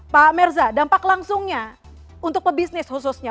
pak merza dampak langsungnya untuk pebisnis khususnya